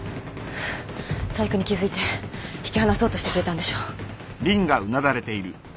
細工に気付いて引き離そうとしてくれたんでしょ？